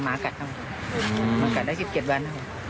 หมากัดได้กิดเกียจแวน